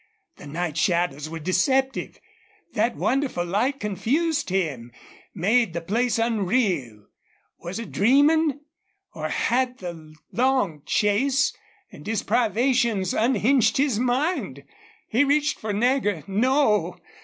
The night shadows were deceptive. That wonderful light confused him, made the place unreal. Was he dreaming? Or had the long chase and his privations unhinged his mind? He reached for Nagger. No!